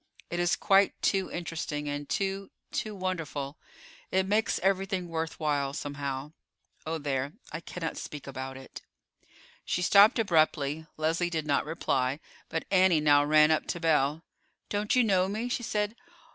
It is quite too interesting, and too—too wonderful. It makes everything worth while, somehow. Oh, there! I cannot speak about it." She stopped abruptly. Leslie did not reply; but Annie now ran up to Belle. "Don't you know me?" she said.